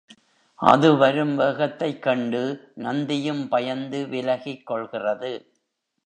அது வரும் வேகத்தைக் கண்டு, நந்தியும் பயந்து விலகிக் கொள்கிறது.